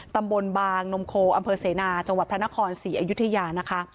ตำบลบางนมโคอำเภอเสนาจังหวัดพระนครศรีอยุธยานะคะ